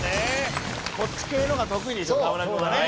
こっち系の方が得意でしょ河村君はね。